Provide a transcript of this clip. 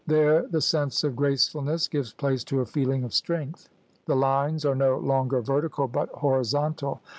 There the sense of gracefulness gives place to a feeling of strength. The lines are no longer vertical but horizontal.